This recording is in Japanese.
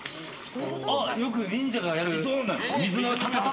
ああ、よく忍者がやる。